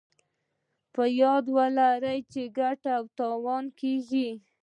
په ياد ولرئ چې ګټه په تاوان کېږي.